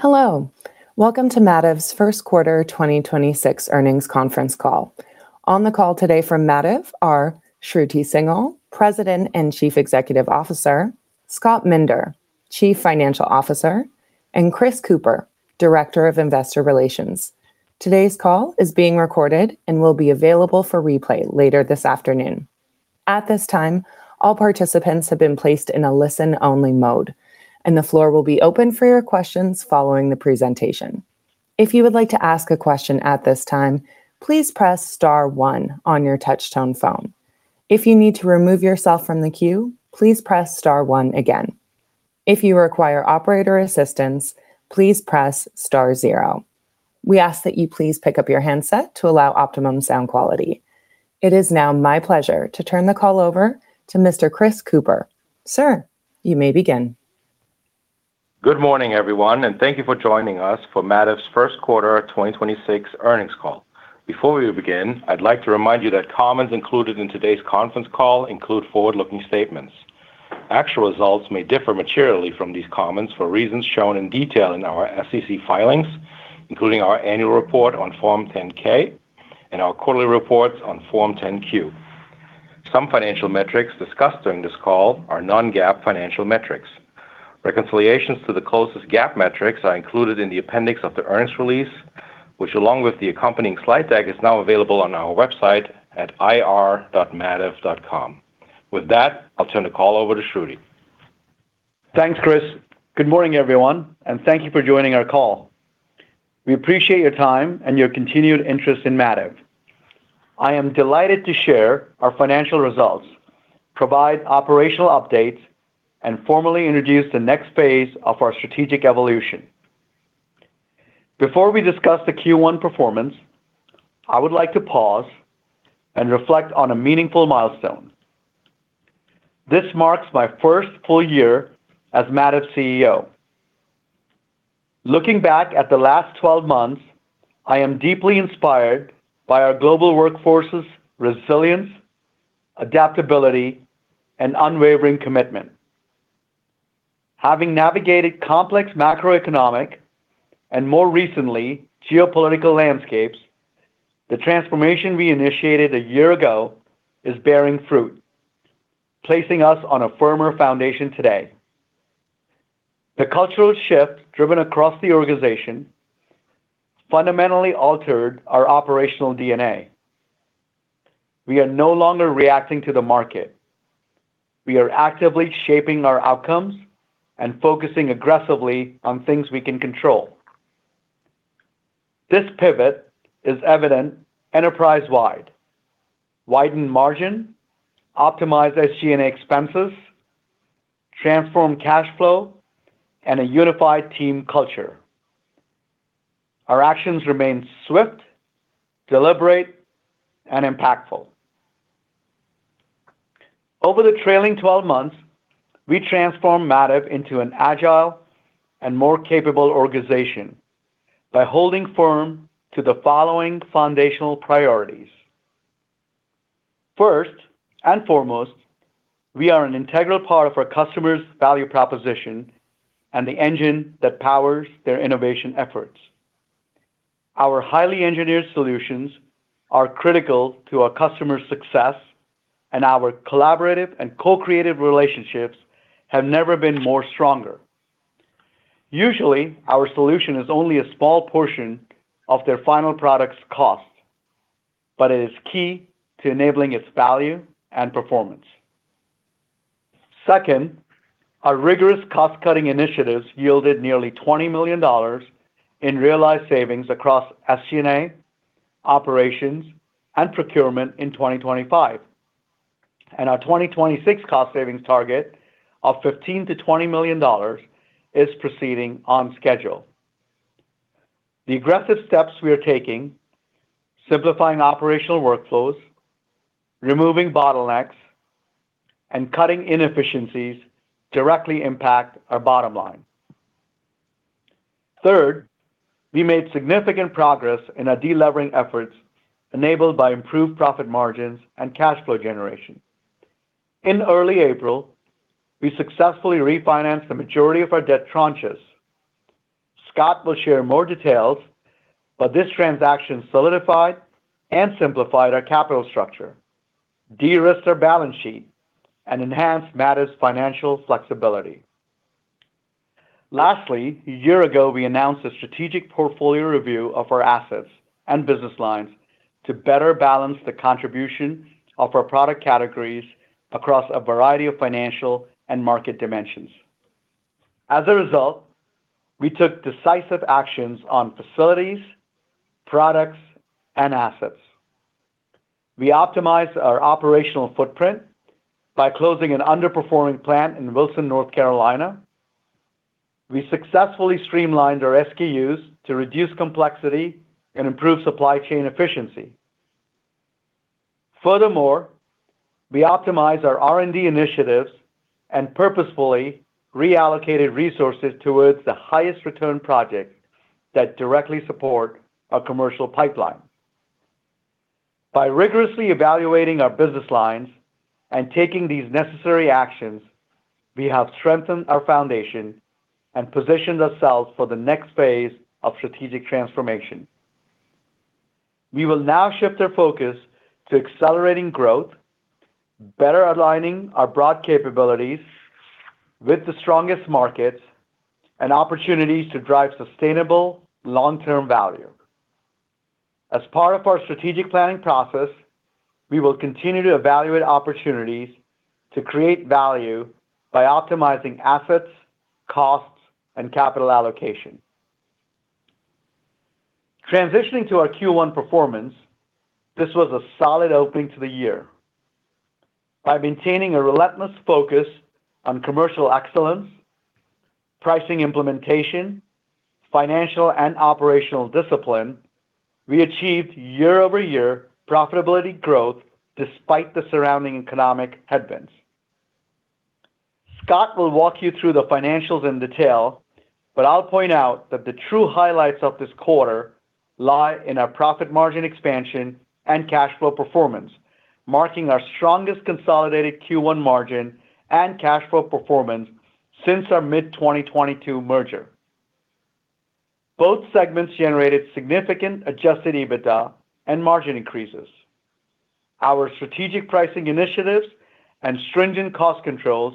Hello, welcome to Mativ's first quarter 2026 earnings conference call. On the call today from Mativ are Shruti Singhal, President and Chief Executive Officer, Scott Minder, Chief Financial Officer, and Chris Kuepper, Director of Investor Relations. Today's call is being recorded and will be available for replay later this afternoon. At this time, all participants have been placed in a listen-only mode, and the floor will be open for your questions following the presentation. If you would like to ask a question at this time, please press star one on your touchtone phone. If you need to remove yourself from the queue, please press star one again. If you require operator assistance, please press star zero. We ask that you please pick up your handset to allow optimum sound quality. It is now my pleasure to turn the call over to Mr. Chris Kuepper. Sir, you may begin. Good morning, everyone, and thank you for joining us for Mativ's first quarter 2026 earnings call. Before we begin, I'd like to remind you that comments included in today's conference call include forward-looking statements. Actual results may differ materially from these comments for reasons shown in detail in our SEC filings, including our annual report on Form 10-K and our quarterly reports on Form 10-Q. Some financial metrics discussed during this call are non-GAAP financial metrics. Reconciliations to the closest GAAP metrics are included in the appendix of the earnings release, which, along with the accompanying slide deck, is now available on our website at ir.mativ.com. With that, I'll turn the call over to Shruti. Thanks, Chris. Good morning, everyone, thank you for joining our call. We appreciate your time and your continued interest in Mativ. I am delighted to share our financial results, provide operational updates, and formally introduce the next phase of our strategic evolution. Before we discuss the Q1 performance, I would like to pause and reflect on a meaningful milestone. This marks my first full year as Mativ CEO. Looking back at the last 12 months, I am deeply inspired by our global workforce's resilience, adaptability, and unwavering commitment. Having navigated complex macroeconomic and, more recently, geopolitical landscapes, the transformation we initiated a year ago is bearing fruit, placing us on a firmer foundation today. The cultural shift driven across the organization fundamentally altered our operational DNA. We are no longer reacting to the market. We are actively shaping our outcomes and focusing aggressively on things we can control. This pivot is evident enterprise-wide: widened margin, optimized SG&A expenses, transformed cash flow, and a unified team culture. Our actions remain swift, deliberate, and impactful. Over the trailing 12 months, we transformed Mativ into an agile and more capable organization by holding firm to the following foundational priorities. First and foremost, we are an integral part of our customer's value proposition and the engine that powers their innovation efforts. Our highly engineered solutions are critical to our customer success, and our collaborative and co-creative relationships have never been more stronger. Usually, our solution is only a small portion of their final product's cost, but it is key to enabling its value and performance. Second, our rigorous cost-cutting initiatives yielded nearly $20 million in realized savings across SG&A, operations, and procurement in 2025, and our 2026 cost savings target of $15 million-$20 million is proceeding on schedule. The aggressive steps we are taking, simplifying operational workflows, removing bottlenecks, and cutting inefficiencies directly impact our bottom line. Third, we made significant progress in our delevering efforts enabled by improved profit margins and free cash flow generation. In early April, we successfully refinanced the majority of our debt tranches. Scott will share more details, but this transaction solidified and simplified our capital structure, de-risked our balance sheet, and enhanced Mativ's financial flexibility. Lastly, a year ago, we announced a strategic portfolio review of our assets and business lines to better balance the contribution of our product categories across a variety of financial and market dimensions. As a result, we took decisive actions on facilities, products, and assets. We optimized our operational footprint by closing an underperforming plant in Wilson, North Carolina. We successfully streamlined our SKUs to reduce complexity and improve supply chain efficiency. Furthermore, we optimized our R&D initiatives and purposefully reallocated resources towards the highest return projects that directly support our commercial pipeline. By rigorously evaluating our business lines and taking these necessary actions, we have strengthened our foundation and positioned ourselves for the next phase of strategic transformation. We will now shift our focus to accelerating growth, better aligning our broad capabilities with the strongest markets and opportunities to drive sustainable long-term value. As part of our strategic planning process, we will continue to evaluate opportunities to create value by optimizing assets, costs, and capital allocation. Transitioning to our Q1 performance, this was a solid opening to the year. By maintaining a relentless focus on commercial excellence, pricing implementation, financial and operational discipline, we achieved year-over-year profitability growth despite the surrounding economic headwinds. Scott will walk you through the financials in detail, but I'll point out that the true highlights of this quarter lie in our profit margin expansion and cash flow performance, marking our strongest consolidated Q1 margin and cash flow performance since our mid-2022 merger. Both segments generated significant Adjusted EBITDA and margin increases. Our strategic pricing initiatives and stringent cost controls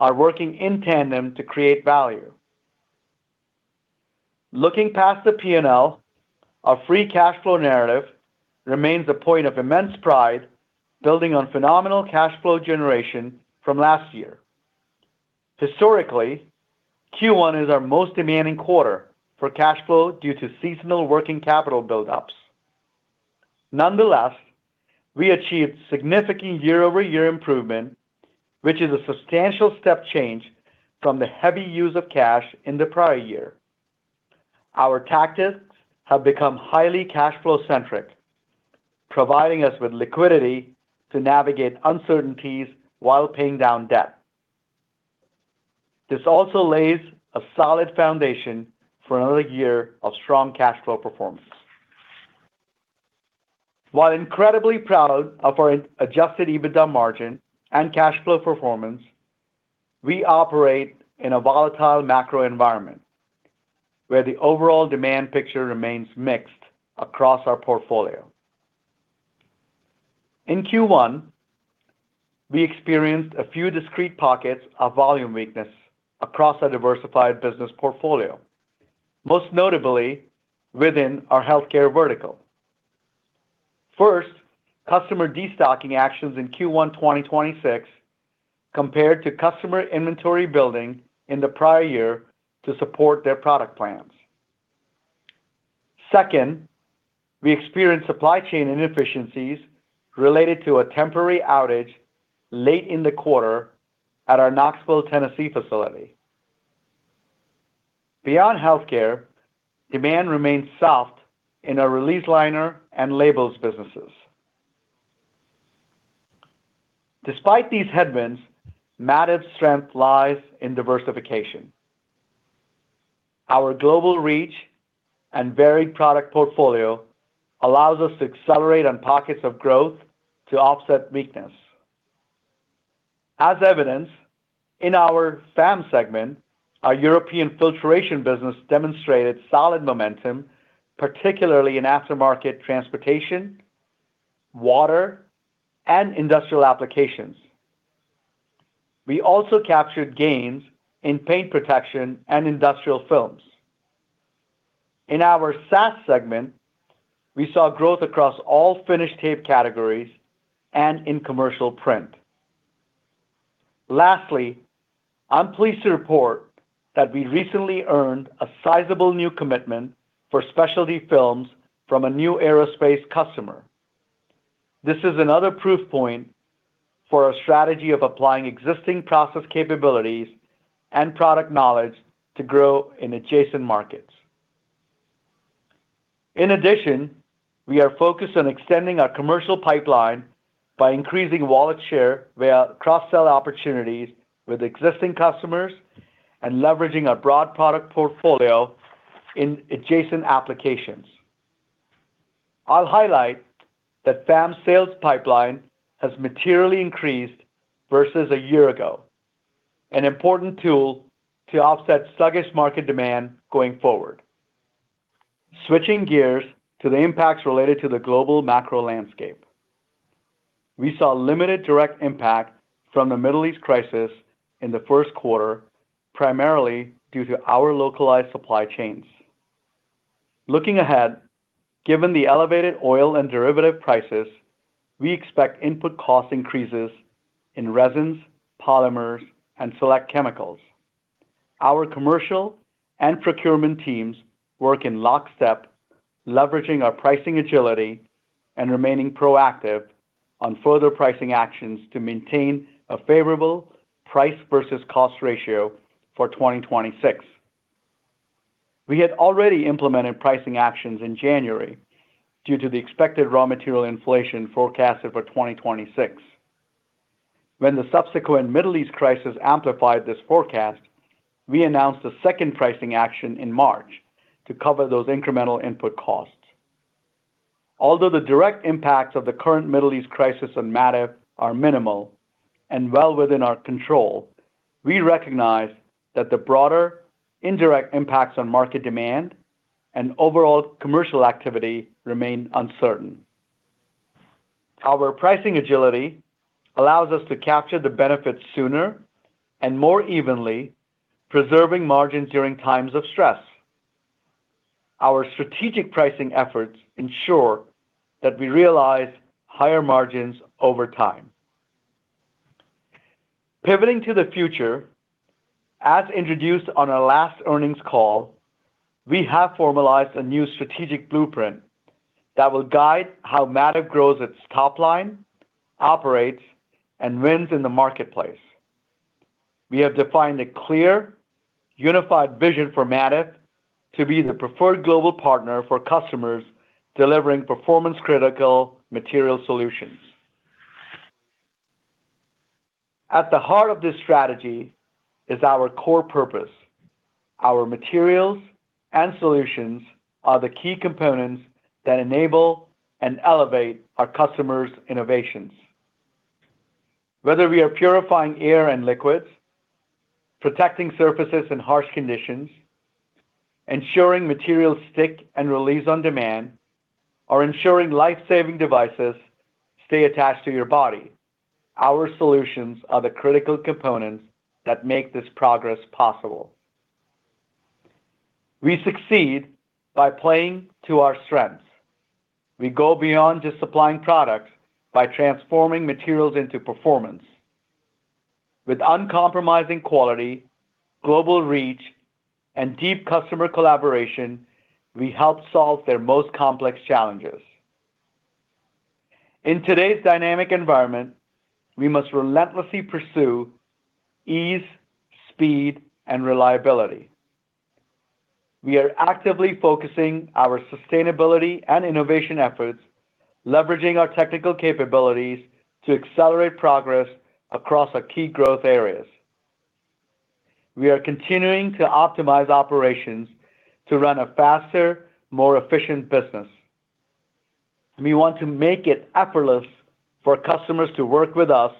are working in tandem to create value. Looking past the P&L, our free cash flow narrative remains a point of immense pride, building on phenomenal cash flow generation from last year. Historically, Q1 is our most demanding quarter for cash flow due to seasonal working capital buildups. Nonetheless, we achieved significant year-over-year improvement, which is a substantial step change from the heavy use of cash in the prior year. Our tactics have become highly cash flow-centric, providing us with liquidity to navigate uncertainties while paying down debt. This also lays a solid foundation for another year of strong cash flow performance. While incredibly proud of our adjusted EBITDA margin and cash flow performance, we operate in a volatile macro environment where the overall demand picture remains mixed across our portfolio. In Q1, we experienced a few discrete pockets of volume weakness across our diversified business portfolio, most notably within our healthcare vertical. First, customer destocking actions in Q1 2026 compared to customer inventory building in the prior year to support their product plans. Second, we experienced supply chain inefficiencies related to a temporary outage late in the quarter at our Knoxville, Tennessee facility. Beyond healthcare, demand remains soft in our release liner and labels businesses. Despite these headwinds, Mativ's strength lies in diversification. Our global reach and varied product portfolio allows us to accelerate on pockets of growth to offset weakness. As evidenced in our FAM segment, our European filtration business demonstrated solid momentum, particularly in aftermarket transportation, water, and industrial applications. We also captured gains in paint protection and industrial films. In our SAS segment, we saw growth across all finished tape categories and in commercial print. Lastly, I'm pleased to report that we recently earned a sizable new commitment for specialty films from a new aerospace customer. This is another proof point for our strategy of applying existing process capabilities and product knowledge to grow in adjacent markets. In addition, we are focused on extending our commercial pipeline by increasing wallet share via cross-sell opportunities with existing customers and leveraging our broad product portfolio in adjacent applications. I'll highlight that FAM's sales pipeline has materially increased versus a year ago, an important tool to offset sluggish market demand going forward. Switching gears to the impacts related to the global macro landscape. We saw limited direct impact from the Middle East crisis in the first quarter, primarily due to our localized supply chains. Looking ahead, given the elevated oil and derivative prices, we expect input cost increases in resins, polymers, and select chemicals. Our commercial and procurement teams work in lockstep, leveraging our pricing agility and remaining proactive on further pricing actions to maintain a favorable price versus cost ratio for 2026. We had already implemented pricing actions in January due to the expected raw material inflation forecasted for 2026. When the subsequent Middle East crisis amplified this forecast, we announced a second pricing action in March to cover those incremental input costs. Although the direct impacts of the current Middle East crisis on Mativ are minimal and well within our control, we recognize that the broader indirect impacts on market demand and overall commercial activity remain uncertain. Our pricing agility allows us to capture the benefits sooner and more evenly, preserving margins during times of stress. Our strategic pricing efforts ensure that we realize higher margins over time. Pivoting to the future, as introduced on our last earnings call, we have formalized a new strategic blueprint that will guide how Mativ grows its top line, operates, and wins in the marketplace. We have defined a clear, unified vision for Mativ to be the preferred global partner for customers delivering performance-critical material solutions. At the heart of this strategy is our core purpose. Our materials and solutions are the key components that enable and elevate our customers' innovations. Whether we are purifying air and liquids, protecting surfaces in harsh conditions, ensuring materials stick and release on demand, or ensuring life-saving devices stay attached to your body, our solutions are the critical components that make this progress possible. We succeed by playing to our strengths. We go beyond just supplying products by transforming materials into performance. With uncompromising quality, global reach, and deep customer collaboration, we help solve their most complex challenges. In today's dynamic environment, we must relentlessly pursue ease, speed, and reliability. We are actively focusing our sustainability and innovation efforts, leveraging our technical capabilities to accelerate progress across our key growth areas. We are continuing to optimize operations to run a faster, more efficient business. We want to make it effortless for customers to work with us,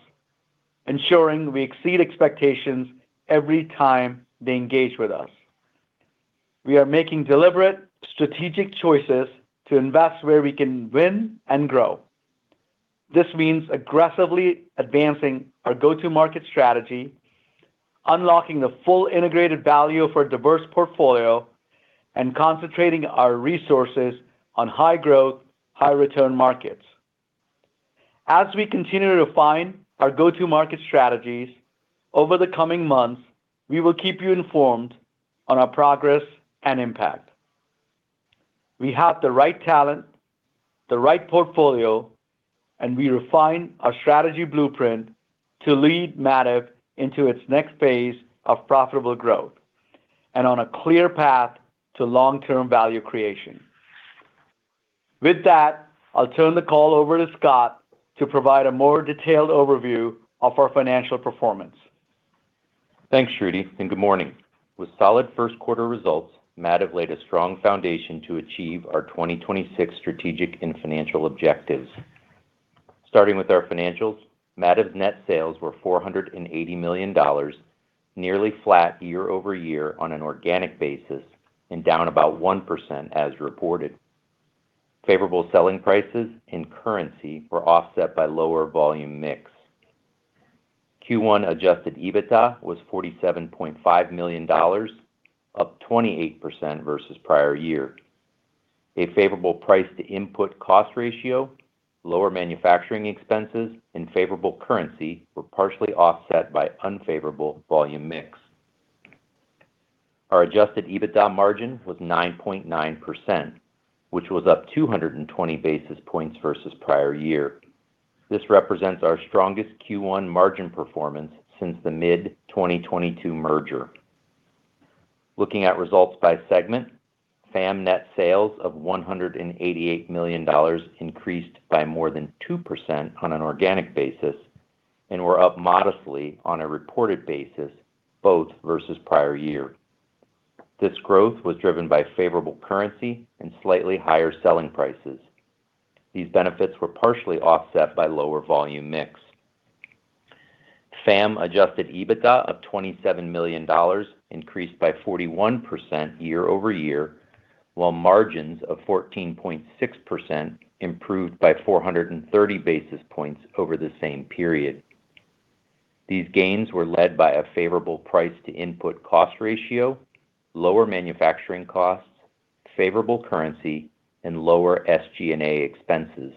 ensuring we exceed expectations every time they engage with us. We are making deliberate strategic choices to invest where we can win and grow. This means aggressively advancing our go-to market strategy, unlocking the full integrated value of our diverse portfolio, and concentrating our resources on high-growth, high-return markets. As we continue to refine our go-to market strategies over the coming months, we will keep you informed on our progress and impact. We have the right talent, the right portfolio, and we refine our strategy blueprint to lead Mativ into its next phase of profitable growth and on a clear path to long-term value creation. With that, I'll turn the call over to Scott to provide a more detailed overview of our financial performance. Thanks, Shruti. Good morning. With solid first quarter results, Mativ laid a strong foundation to achieve our 2026 strategic and financial objectives. Starting with our financials, Mativ's net sales were $480 million, nearly flat year-over-year on an organic basis and down about 1% as reported. Favorable selling prices and currency were offset by lower volume mix. Q1 adjusted EBITDA was $47.5 million, up 28% versus prior year. A favorable price-to-input cost ratio, lower manufacturing expenses, and favorable currency were partially offset by unfavorable volume mix. Our adjusted EBITDA margin was 9.9%, which was up 220 basis points versus prior year. This represents our strongest Q1 margin performance since the mid-2022 merger. Looking at results by segment, FAM net sales of $188 million increased by more than 2% on an organic basis and were up modestly on a reported basis, both versus prior year. This growth was driven by favorable currency and slightly higher selling prices. These benefits were partially offset by lower volume mix. FAM adjusted EBITDA of $27 million increased by 41% year-over-year, while margins of 14.6% improved by 430 basis points over the same period. These gains were led by a favorable price-to-input cost ratio, lower manufacturing costs, favorable currency, and lower SG&A expenses.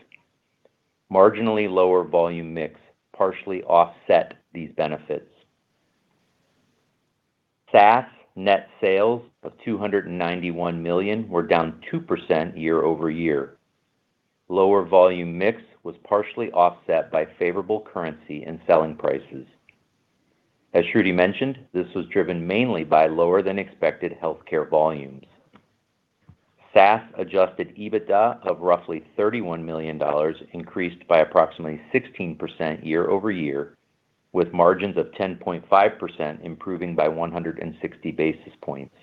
Marginally lower volume mix partially offset these benefits. SAS net sales of $291 million were down 2% year-over-year. Lower volume mix was partially offset by favorable currency and selling prices. As Shruti mentioned, this was driven mainly by lower than expected healthcare volumes. SAS adjusted EBITDA of roughly $31 million increased by approximately 16% year-over-year, with margins of 10.5% improving by 160 basis points.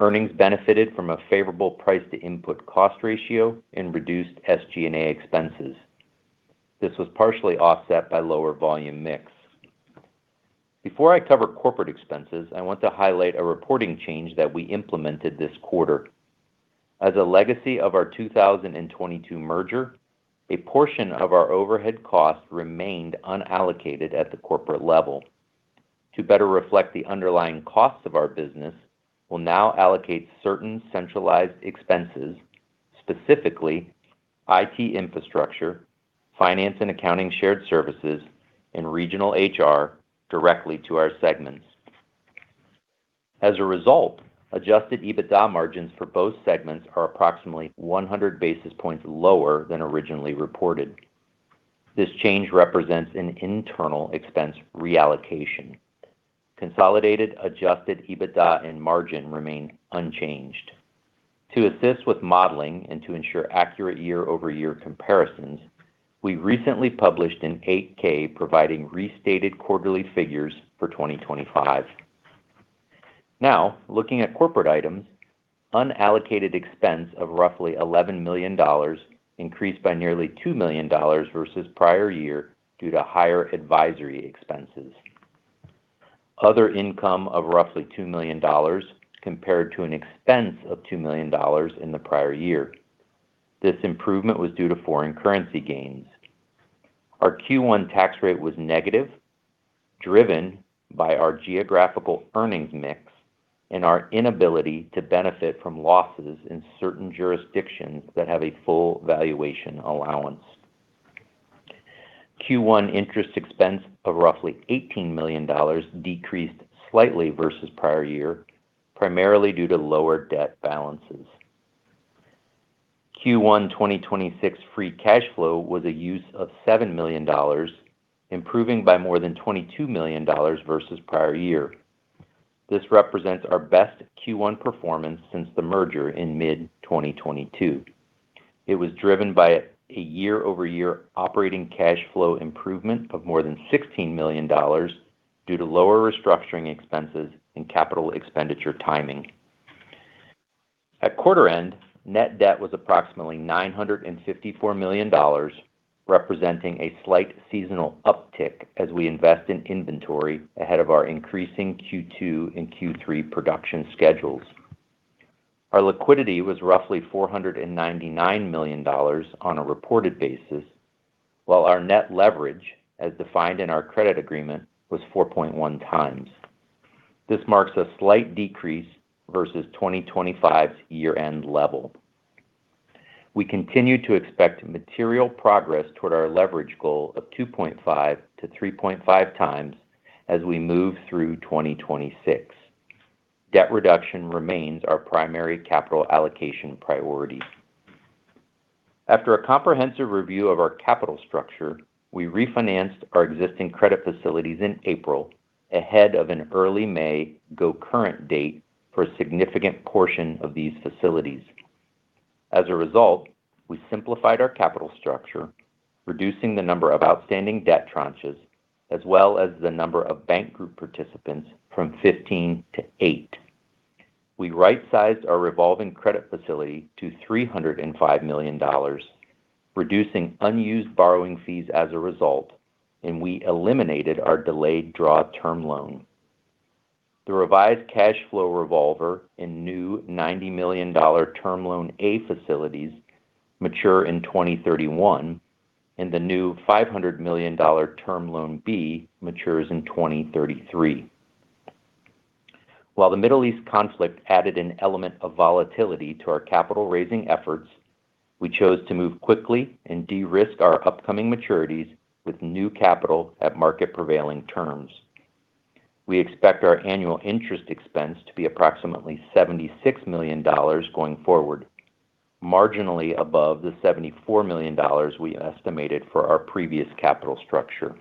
Earnings benefited from a favorable price-to-input cost ratio and reduced SG&A expenses. This was partially offset by lower volume mix. Before I cover corporate expenses, I want to highlight a reporting change that we implemented this quarter. As a legacy of our 2022 merger, a portion of our overhead costs remained unallocated at the corporate level. To better reflect the underlying costs of our business, we'll now allocate certain centralized expenses, specifically IT infrastructure, finance and accounting shared services, and regional HR directly to our segments. As a result, adjusted EBITDA margins for both segments are approximately 100 basis points lower than originally reported. This change represents an internal expense reallocation. Consolidated adjusted EBITDA and margin remain unchanged. To assist with modeling and to ensure accurate year-over-year comparisons, we recently published an 8-K providing restated quarterly figures for 2025. Now, looking at corporate items, unallocated expense of roughly $11 million increased by nearly $2 million versus prior year due to higher advisory expenses. Other income of roughly $2 million compared to an expense of $2 million in the prior year. This improvement was due to foreign currency gains. Our Q1 tax rate was negative, driven by our geographical earnings mix and our inability to benefit from losses in certain jurisdictions that have a full valuation allowance. Q1 interest expense of roughly $18 million decreased slightly versus prior year, primarily due to lower debt balances. Q1 2026 free cash flow was a use of $7 million, improving by more than $22 million versus prior year. This represents our best Q1 performance since the merger in mid-2022. It was driven by a year-over-year operating cash flow improvement of more than $16 million due to lower restructuring expenses and CapEx timing. At quarter end, net debt was approximately $954 million, representing a slight seasonal uptick as we invest in inventory ahead of our increasing Q2 and Q3 production schedules. Our liquidity was roughly $499 million on a reported basis, while our net leverage, as defined in our credit agreement, was 4.1x. This marks a slight decrease versus 2025's year-end level. We continue to expect material progress toward our leverage goal of 2.5x-3.5x as we move through 2026. Debt reduction remains our primary capital allocation priority. After a comprehensive review of our capital structure, we refinanced our existing credit facilities in April ahead of an early May go current date for a significant portion of these facilities. As a result, we simplified our capital structure, reducing the number of outstanding debt tranches as well as the number of bank group participants from 15 to 8. We right-sized our revolving credit facility to $305 million, reducing unused borrowing fees as a result, and we eliminated our delayed draw term loan. The revised cash flow revolver and new $90 million Term Loan A facilities mature in 2031, and the new $500 million Term Loan B matures in 2033. While the Middle East conflict added an element of volatility to our capital raising efforts, we chose to move quickly and de-risk our upcoming maturities with new capital at market prevailing terms. We expect our annual interest expense to be approximately $76 million going forward, marginally above the $74 million we estimated for our previous capital structure.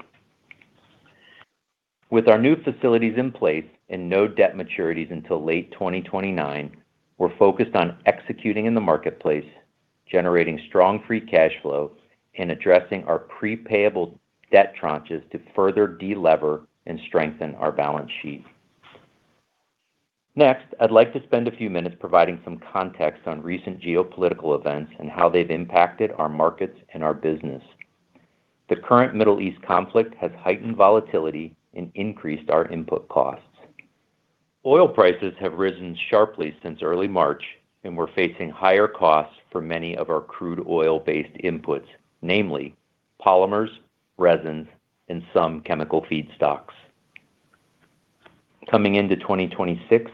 With our new facilities in place and no debt maturities until late 2029, we're focused on executing in the marketplace, generating strong free cash flow, and addressing our pre-payable debt tranches to further de-lever and strengthen our balance sheet. Next, I'd like to spend a few minutes providing some context on recent geopolitical events and how they've impacted our markets and our business. The current Middle East conflict has heightened volatility and increased our input costs. Oil prices have risen sharply since early March, and we're facing higher costs for many of our crude oil-based inputs, namely polymers, resins, and some chemical feedstocks. Coming into 2026,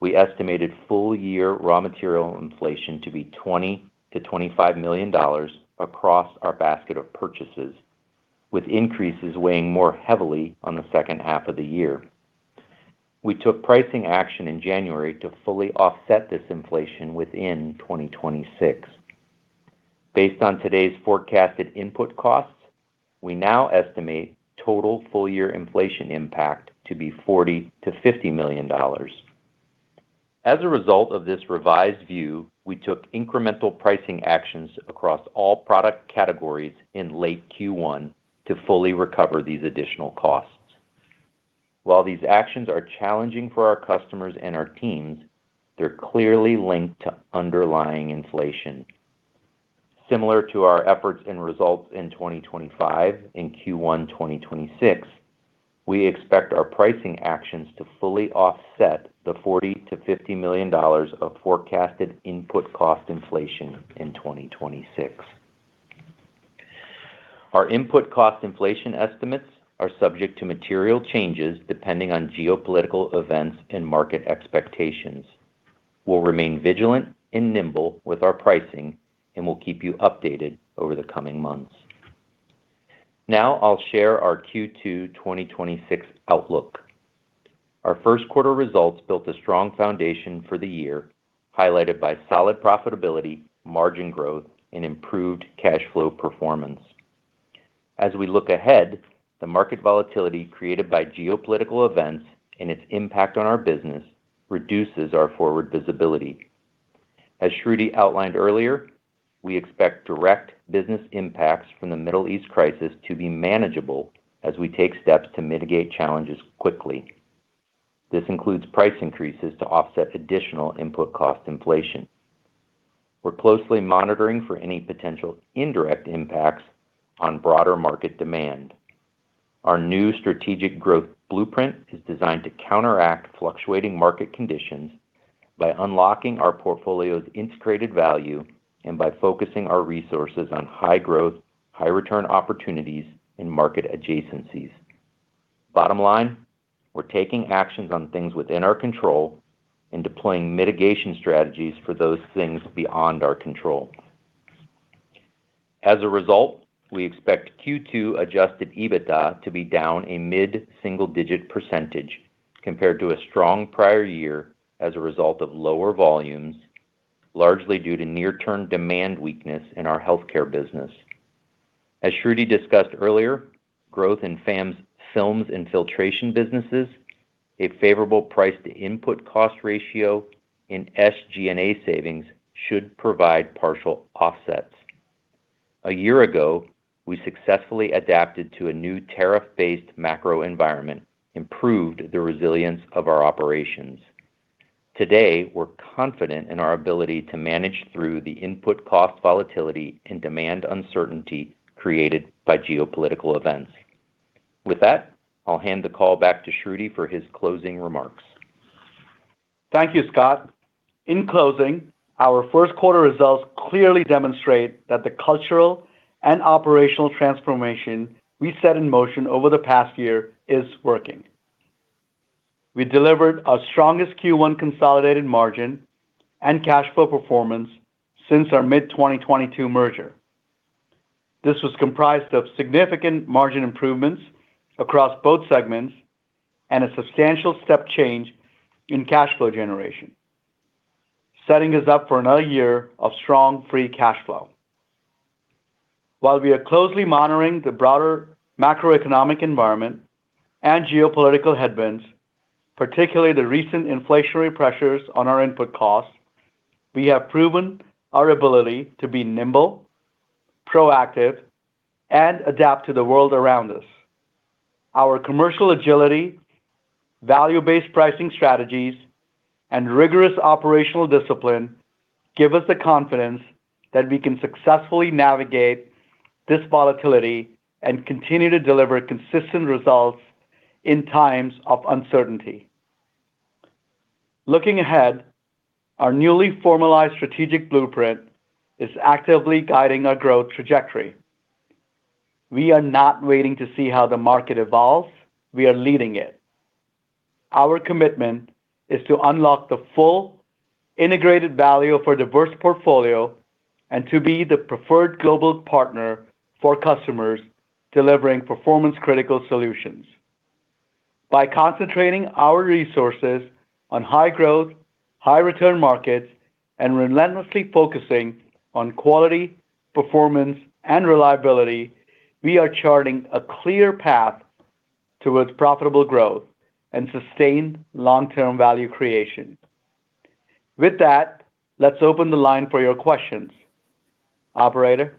we estimated full-year raw material inflation to be $20 million-$25 million across our basket of purchases, with increases weighing more heavily on the second half of the year. We took pricing action in January to fully offset this inflation within 2026. Based on today's forecasted input costs, we now estimate total full-year inflation impact to be $40 million-$50 million. As a result of this revised view, we took incremental pricing actions across all product categories in late Q1 to fully recover these additional costs. While these actions are challenging for our customers and our teams, they're clearly linked to underlying inflation. Similar to our efforts and results in 2025 and Q1 2026, we expect our pricing actions to fully offset the $40 million-$50 million of forecasted input cost inflation in 2026. Our input cost inflation estimates are subject to material changes depending on geopolitical events and market expectations. We'll remain vigilant and nimble with our pricing, and we'll keep you updated over the coming months. Now I'll share our Q2 2026 outlook. Our first quarter results built a strong foundation for the year, highlighted by solid profitability, margin growth, and improved cash flow performance. As we look ahead, the market volatility created by geopolitical events and its impact on our business reduces our forward visibility. As Shruti outlined earlier, we expect direct business impacts from the Middle East crisis to be manageable as we take steps to mitigate challenges quickly. This includes price increases to offset additional input cost inflation. We're closely monitoring for any potential indirect impacts on broader market demand. Our new strategic growth blueprint is designed to counteract fluctuating market conditions by unlocking our portfolio's integrated value and by focusing our resources on high-growth, high-return opportunities and market adjacencies. Bottom line, we're taking actions on things within our control and deploying mitigation strategies for those things beyond our control. As a result, we expect Q2 adjusted EBITDA to be down a mid-single digit percentage compared to a strong prior year as a result of lower volumes, largely due to near-term demand weakness in our healthcare business. As Shruti discussed earlier, growth in FAM's films and filtration businesses, a favorable price-to-input cost ratio, and SG&A savings should provide partial offsets. A year ago, we successfully adapted to a new tariff-based macro environment, improved the resilience of our operations. Today, we're confident in our ability to manage through the input cost volatility and demand uncertainty created by geopolitical events. I'll hand the call back to Shruti for his closing remarks. Thank you, Scott. In closing, our first quarter results clearly demonstrate that the cultural and operational transformation we set in motion over the past year is working. We delivered our strongest Q1 consolidated margin and cash flow performance since our mid-2022 merger. This was comprised of significant margin improvements across both segments and a substantial step change in cash flow generation, setting us up for another year of strong free cash flow. While we are closely monitoring the broader macroeconomic environment and geopolitical headwinds, particularly the recent inflationary pressures on our input costs, we have proven our ability to be nimble, proactive, and adapt to the world around us. Our commercial agility, value-based pricing strategies, and rigorous operational discipline give us the confidence that we can successfully navigate this volatility and continue to deliver consistent results in times of uncertainty. Looking ahead, our newly formalized strategic blueprint is actively guiding our growth trajectory. We are not waiting to see how the market evolves; we are leading it. Our commitment is to unlock the full integrated value of our diverse portfolio and to be the preferred global partner for customers delivering performance-critical solutions. By concentrating our resources on high-growth, high-return markets and relentlessly focusing on quality, performance, and reliability, we are charting a clear path towards profitable growth and sustained long-term value creation. With that, let's open the line for your questions. Operator?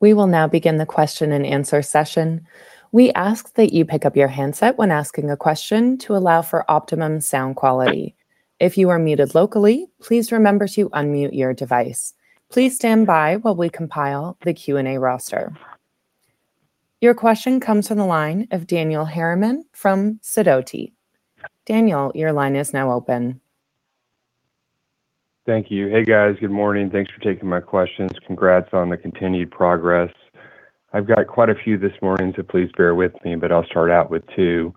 We will now begin the question-and-answer session. We ask that you pick up your handset when asking a question to allow for optimum sound quality. If you are muted locally, please remember to unmute your device. Please standby while we compile the Q&A roster. Your question comes from the line of Daniel Harriman from Sidoti. Daniel, your line is now open. Thank you. Hey, guys. Good morning. Thanks for taking my questions. Congrats on the continued progress. I've got quite a few this morning, so please bear with me, but I'll start out with two.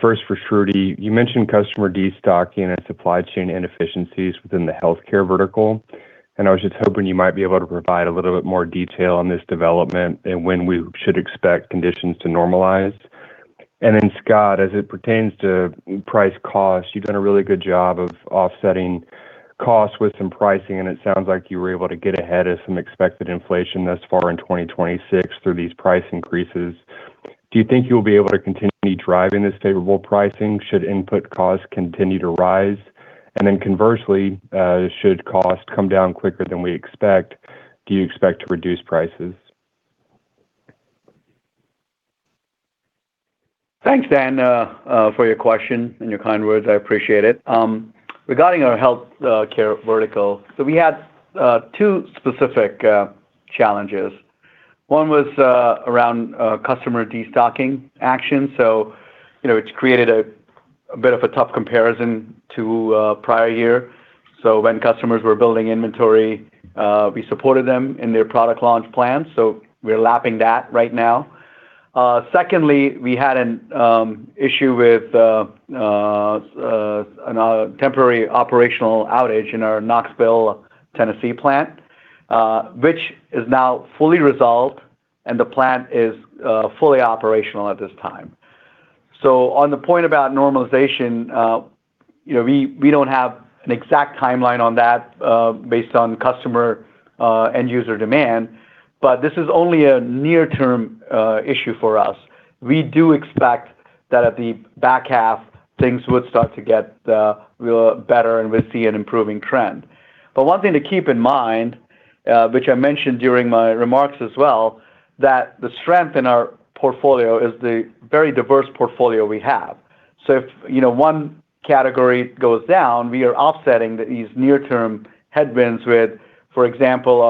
First for Shruti. You mentioned customer destocking and supply chain inefficiencies within the healthcare vertical, and I was just hoping you might be able to provide a little bit more detail on this development and when we should expect conditions to normalize. Then Scott, as it pertains to price cost, you've done a really good job of offsetting costs with some pricing, and it sounds like you were able to get ahead of some expected inflation thus far in 2026 through these price increases. Do you think you'll be able to continue driving this favorable pricing should input costs continue to rise? Conversely, should costs come down quicker than we expect, do you expect to reduce prices? Thanks, Dan, for your question and your kind words. I appreciate it. Regarding our health care vertical, we had two specific challenges. One was around customer destocking action. You know, it's created a bit of a tough comparison to prior year. When customers were building inventory, we supported them in their product launch plan. We're lapping that right now. Secondly, we had an issue with a temporary operational outage in our Knoxville, Tennessee plant, which is now fully resolved, and the plant is fully operational at this time. On the point about normalization, you know, we don't have an exact timeline on that, based on customer end user demand, but this is only a near-term issue for us. We do expect that at the back half, things would start to get real better, and we'll see an improving trend. One thing to keep in mind, which I mentioned during my remarks as well, that the strength in our portfolio is the very diverse portfolio we have. If, you know, one category goes down, we are offsetting these near-term headwinds with, for example,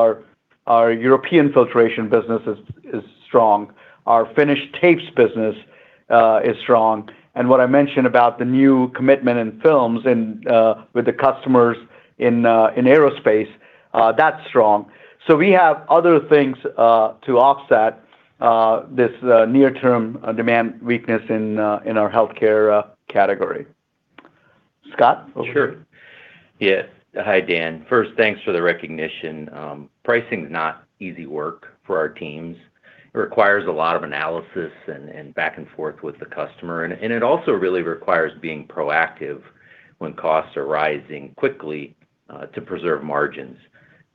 our European filtration business is strong. Our finished tapes business is strong. What I mentioned about the new commitment in films and with the customers in aerospace, that's strong. We have other things to offset this near-term demand weakness in our healthcare category. Scott? Sure. Yes. Hi, Dan. First, thanks for the recognition. pricing's not easy work for our teams. It requires a lot of analysis and back and forth with the customer, and it also really requires being proactive when costs are rising quickly to preserve margins.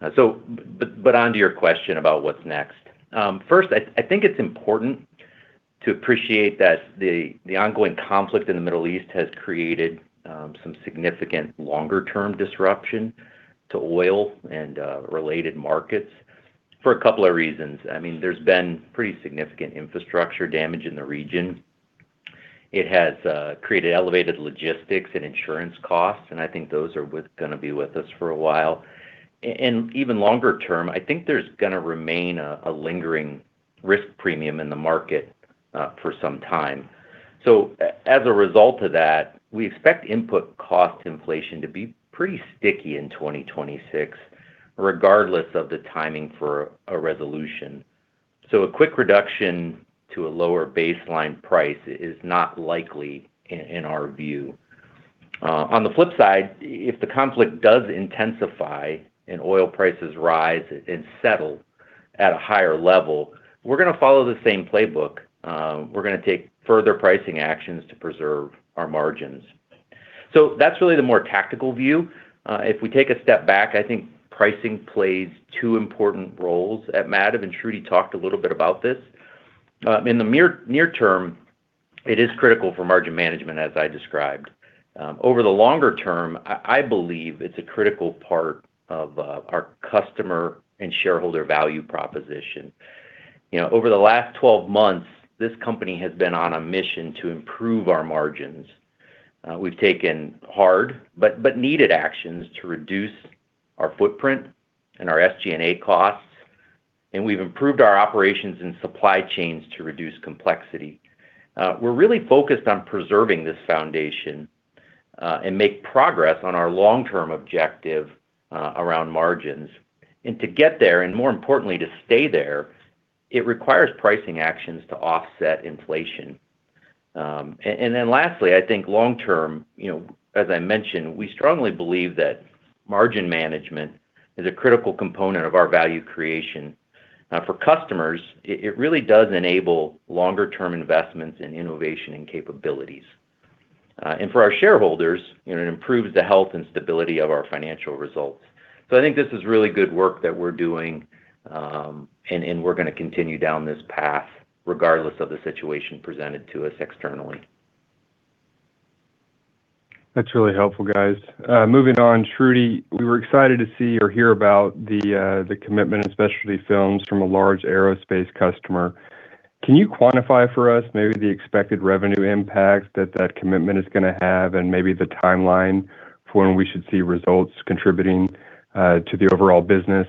On to your question about what's next. First, I think it's important to appreciate that the ongoing conflict in the Middle East has created some significant longer term disruption to oil and related markets for a couple of reasons. I mean, there's been pretty significant infrastructure damage in the region. It has created elevated logistics and insurance costs, and I think those are gonna be with us for a while. Even longer term, I think there's gonna remain a lingering risk premium in the market for some time. As a result of that, we expect input cost inflation to be pretty sticky in 2026, regardless of the timing for a resolution. A quick reduction to a lower baseline price is not likely in our view. On the flip side, if the conflict does intensify and oil prices rise and settle at a higher level, we're gonna follow the same playbook. We're gonna take further pricing actions to preserve our margins. That's really the more tactical view. If we take a step back, I think pricing plays two important roles at Mativ, and Shruti talked a little bit about this. In the near term, it is critical for margin management as I described. Over the longer term, I believe it's a critical part of our customer and shareholder value proposition. You know, over the last 12 months, this company has been on a mission to improve our margins. We've taken hard but needed actions to reduce our footprint and our SG&A costs, and we've improved our operations and supply chains to reduce complexity. We're really focused on preserving this foundation and make progress on our long-term objective around margins. To get there, and more importantly, to stay there, it requires pricing actions to offset inflation Lastly, I think long term, you know, as I mentioned, we strongly believe that margin management is a critical component of our value creation. For customers, it really does enable longer term investments in innovation and capabilities. For our shareholders, you know, it improves the health and stability of our financial results. I think this is really good work that we're doing, and we're gonna continue down this path regardless of the situation presented to us externally. That's really helpful, guys. Moving on, Shruti, we were excited to see or hear about the commitment in specialty films from a large aerospace customer. Can you quantify for us maybe the expected revenue impact that that commitment is gonna have and maybe the timeline for when we should see results contributing to the overall business?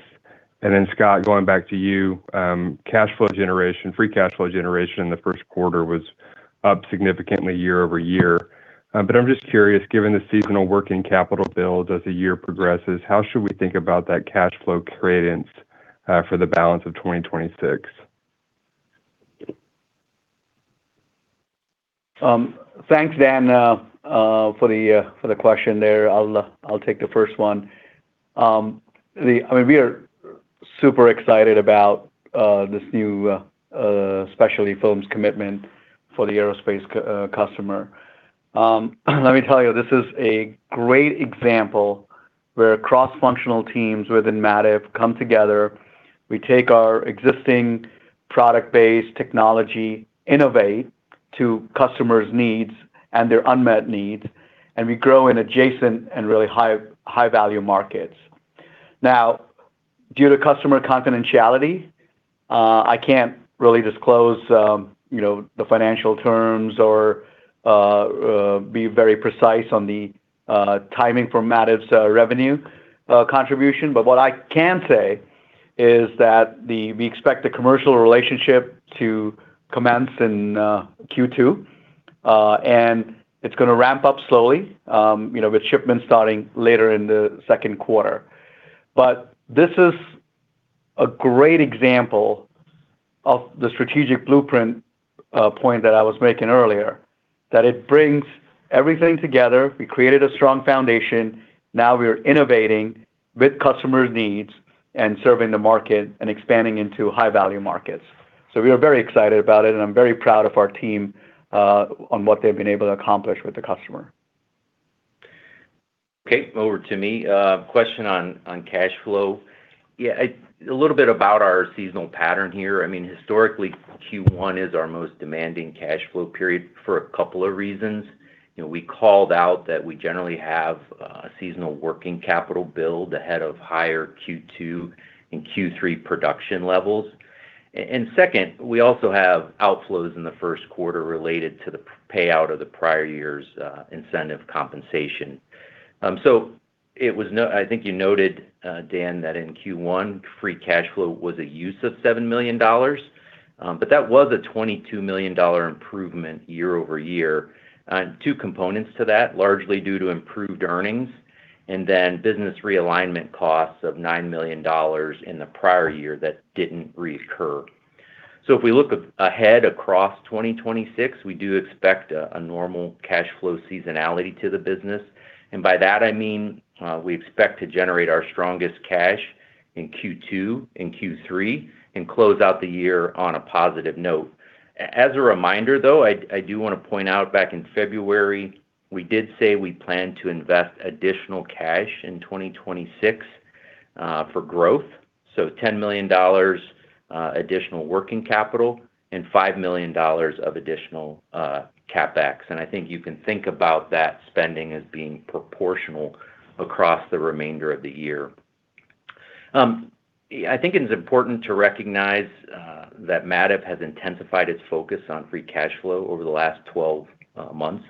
Then Scott, going back to you, cash flow generation, free cash flow generation in the first quarter was up significantly year-over-year. I'm just curious, given the seasonal working capital build as the year progresses, how should we think about that cash flow cadence for the balance of 2026? Thanks, Dan, for the question there. I'll take the first one. I mean, we are super excited about this new specialty films commitment for the aerospace customer. Let me tell you, this is a great example where cross-functional teams within Mativ come together. We take our existing product-based technology, innovate to customers' needs and their unmet needs, and we grow in adjacent and really high, high-value markets. Due to customer confidentiality, I can't really disclose, you know, the financial terms or be very precise on the timing for Mativ's revenue contribution. What I can say is that we expect the commercial relationship to commence in Q2, and it's gonna ramp up slowly, you know, with shipments starting later in the second quarter. This is a great example of the strategic blueprint, point that I was making earlier, that it brings everything together. We created a strong foundation. Now we are innovating with customers' needs and serving the market and expanding into high-value markets. We are very excited about it, and I'm very proud of our team on what they've been able to accomplish with the customer. Okay. Over to me. Question on cash flow. A little bit about our seasonal pattern here. I mean, historically, Q1 is our most demanding cash flow period for a couple of reasons. You know, we called out that we generally have a seasonal working capital build ahead of higher Q2 and Q3 production levels. Second, we also have outflows in the first quarter related to the payout of the prior year's incentive compensation. It was I think you noted, Dan, that in Q1, free cash flow was a use of $7 million. That was a $22 million improvement year-over-year. Two components to that, largely due to improved earnings then business realignment costs of $9 million in the prior year that didn't reoccur. If we look ahead across 2026, we do expect a normal cash flow seasonality to the business. By that I mean, we expect to generate our strongest cash in Q2 and Q3 and close out the year on a positive note. As a reminder, though, I do want to point out back in February, we did say we plan to invest additional cash in 2026 for growth. So, $10 million additional working capital and $5 million of additional CapEx. I think you can think about that spending as being proportional across the remainder of the year. I think it is important to recognize that Mativ has intensified its focus on free cash flow over the last 12 months.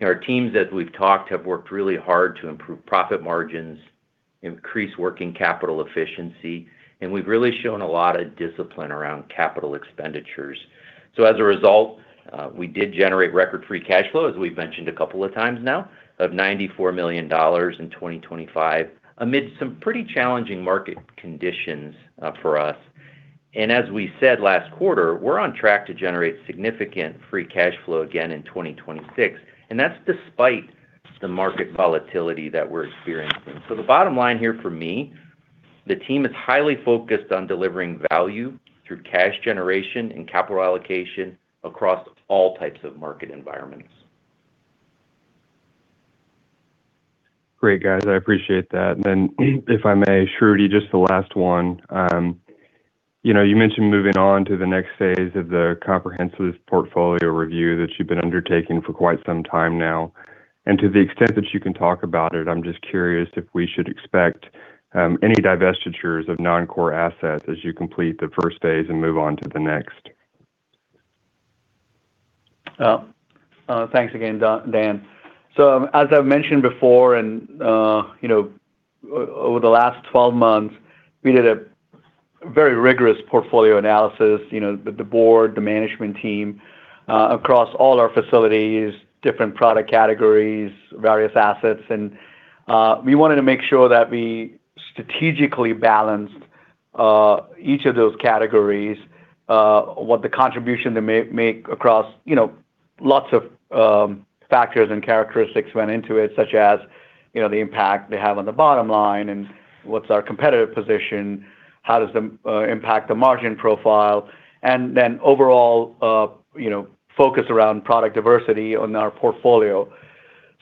Our teams, as we've talked, have worked really hard to improve profit margins, increase working capital efficiency, and we've really shown a lot of discipline around capital expenditures. As a result, we did generate record free cash flow, as we've mentioned a couple of times now, of $94 million in 2025, amid some pretty challenging market conditions for us. As we said last quarter, we're on track to generate significant free cash flow again in 2026, and that's despite the market volatility that we're experiencing. The bottom line here for me, the team is highly focused on delivering value through cash generation and capital allocation across all types of market environments. Great, guys. I appreciate that. If I may, Shruti, just the last one. You know, you mentioned moving on to the next phase of the comprehensive portfolio review that you've been undertaking for quite some time now. To the extent that you can talk about it, I'm just curious if we should expect any divestitures of non-core assets as you complete the first phase and move on to the next. Thanks again, Dan. As I've mentioned before and, you know, over the last 12 months, we did a very rigorous portfolio analysis, you know, with the board, the management team, across all our facilities, different product categories, various assets. We wanted to make sure that we strategically balanced each of those categories, what the contribution they make across, you know, lots of factors and characteristics went into it, such as, you know, the impact they have on the bottom line and what's our competitive position, how does the impact the margin profile, and then overall, you know, focus around product diversity on our portfolio.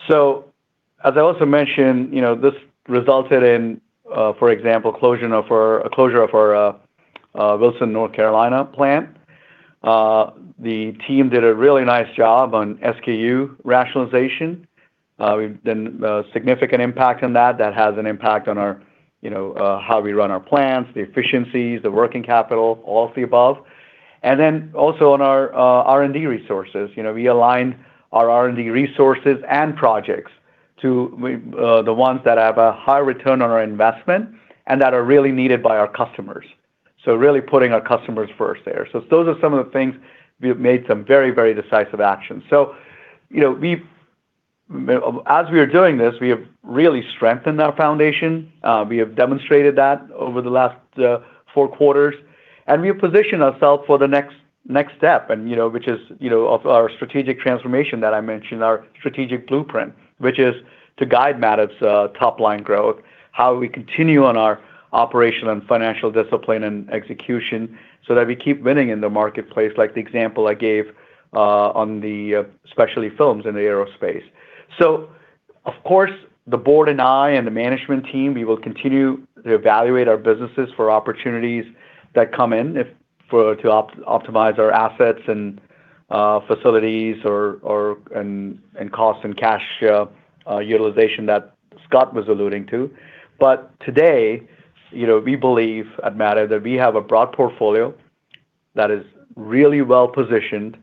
As I also mentioned, you know, this resulted in, for example, a closure of our Wilson, North Carolina plant. The team did a really nice job on SKU rationalization. We've done a significant impact on that. That has an impact on our, you know, how we run our plants, the efficiencies, the working capital, all of the above. Also on our R&D resources. You know, we aligned our R&D resources and projects to the ones that have a high return on our investment and that are really needed by our customers. Really putting our customers first there. Those are some of the things we have made some very, very decisive actions. You know, as we are doing this, we have really strengthened our foundation. We have demonstrated that over the last four quarters, and we position ourself for the next step and, you know, which is, you know, of our strategic transformation that I mentioned, our strategic blueprint, which is to guide Mativ's top line growth, how we continue on our operation and financial discipline and execution so that we keep winning in the marketplace, like the example I gave on the specialty films in aerospace. Of course, the board and I and the management team, we will continue to evaluate our businesses for opportunities that come in to optimize our assets and facilities or, and cost and cash utilization that Scott was alluding to. Today, you know, we believe at Mativ that we have a broad portfolio that is really well-positioned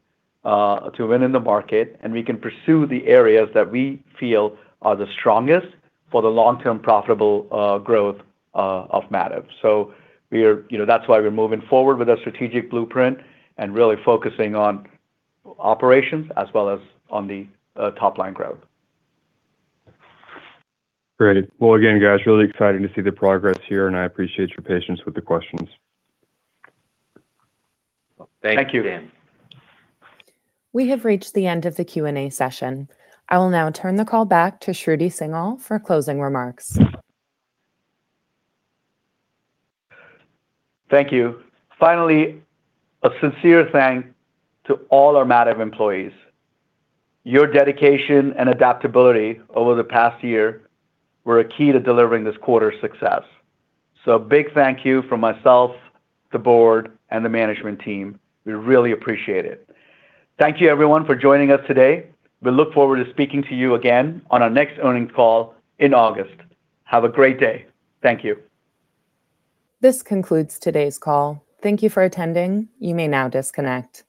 to win in the market, and we can pursue the areas that we feel are the strongest for the long-term profitable growth of Mativ. You know, that's why we're moving forward with our strategic blueprint and really focusing on operations as well as on the top line growth. Great. Well, again, guys, really exciting to see the progress here, and I appreciate your patience with the questions. Thank you. Thank you, Dan. We have reached the end of the Q&A session. I will now turn the call back to Shruti Singhal for closing remarks. Thank you. Finally, a sincere thank to all our Mativ employees. Your dedication and adaptability over the past year were a key to delivering this quarter's success. Big thank you from myself, the board, and the management team. We really appreciate it. Thank you everyone for joining us today. We look forward to speaking to you again on our next earnings call in August. Have a great day. Thank you. This concludes today's call. Thank you for attending. You may now disconnect.